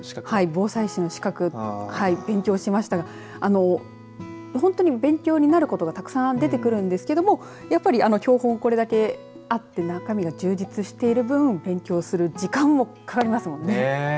防災士の資格勉強しましたが本当に勉強になることがたくさん出てくるんですけどもやっぱり教本これだけあって中身が充実している分勉強する時間がかかりますもんね。